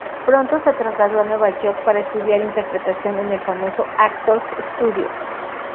Pronto se trasladó a Nueva York para estudiar interpretación en el famoso Actor's Studio.